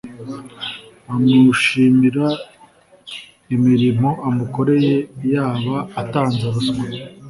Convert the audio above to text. amushimira imirimo amukoreye yaba atanze ruswa